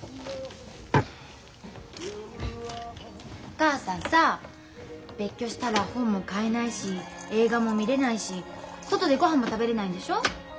お母さんさ別居したら本も買えないし映画も見れないし外でごはんも食べれないんでしょ？